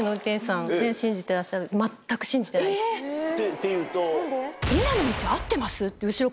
っていうと？